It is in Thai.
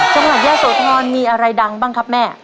จังหวัดยะโสธรมีอะไรดังบ้างครับแม่